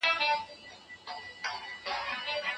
ایا نوي کروندګر انځر اخلي؟